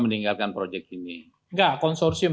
menyiapkan pemilihan konsorsium